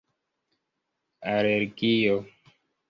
alergio